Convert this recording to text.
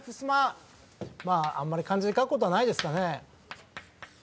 まああんまり漢字で書くことはないですかね。